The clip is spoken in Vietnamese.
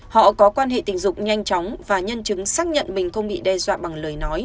họ có quan hệ tình dục nhanh chóng và nhân chứng xác nhận mình không bị đe dọa bằng lời nói